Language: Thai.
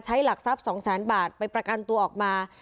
หลักทรัพย์๒แสนบาทไปประกันตัวออกมา